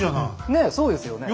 ねえそうですよね。